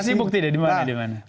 kasih bukti deh di mana